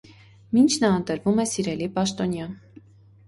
Մինչ նա ընտրվում է սիրելի պաշտոնյա։